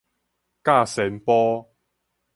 甲仙埔